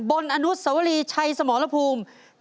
อนุสวรีชัยสมรภูมิ